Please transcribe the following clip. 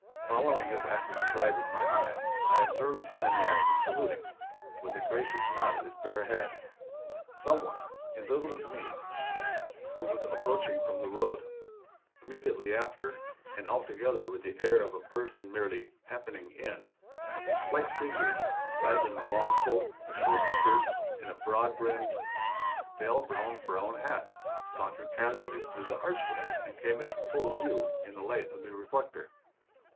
Following his active stride with my eye, I observed him in the act of saluting, with a gracious nod of his bare head, some one, invisible to me, who was approaching from the road. Immediately after and altogether with the air of a person merely "happening in" a slight figure, clad in a long coat, a short skirt, and a broad brimmed, veil bound brown hat, sauntered casually through the archway and came into full view in the light of the reflector.